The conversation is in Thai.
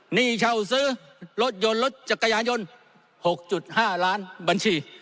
หนี้เช่าซื้อรถยนต์รถจักรยานยนต์๖๕ล้านบัญชี